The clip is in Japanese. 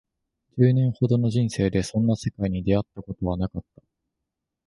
十年ほどの人生でそんな世界に出会ったことはなかった